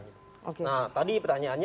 nah tadi pertanyaannya